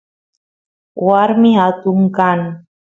warmi atun kan